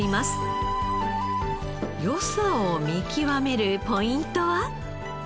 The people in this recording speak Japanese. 良さを見極めるポイントは？